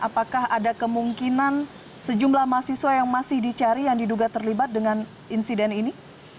apakah ada kemungkinan sejumlah mahasiswa yang masih dicari yang diduga terlibat dengan insiden ini